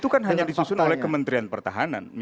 itu kan hanya disusun oleh kementerian pertahanan